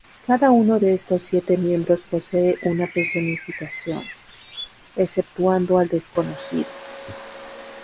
Cada uno de estos siete miembros posee una personificación, exceptuando al Desconocido.